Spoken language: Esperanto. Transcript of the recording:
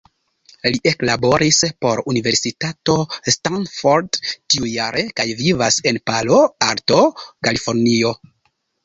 Li eklaboris por Universitato Stanford tiujare kaj vivas en Palo Alto, Kalifornio.